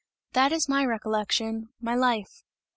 That is my recollection, my life!"